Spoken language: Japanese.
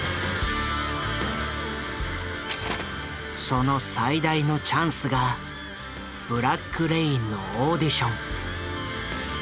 その最大のチャンスが「ブラック・レイン」のオーディション。